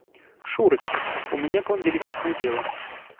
Шурочка, у меня к Вам деликатное дело.